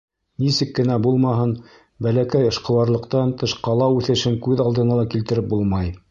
Нисек кенә булмаһын, бәләкәй эшҡыуарлыҡтан тыш ҡала үҫешен күҙ алдына ла килтереп булмай.